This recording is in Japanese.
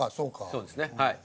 そうですねはい。